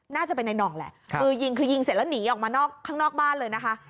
น่าจะเป็นในหน่องแหละมือยิงคือยิงเสร็จแล้วหนีออกมานอกข้างนอกบ้านเลยนะคะ